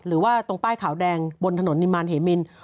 หรือว่าตรงป้ายขาวแดงบนถนนนิมารเหมิน